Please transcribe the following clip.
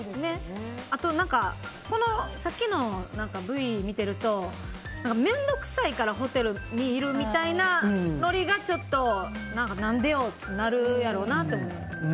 あと、さっきのＶを見ていると面倒くさいからホテルにいるみたいなノリがちょっと何でよってなるやろうなって思います。